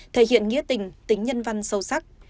thể hiện nghĩa tình tính nhân văn sâu sắc